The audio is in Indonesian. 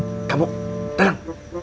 eh kamu tenang